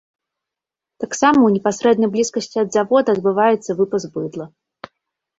Таксама ў непасрэднай блізкасці ад завода адбываецца выпас быдла.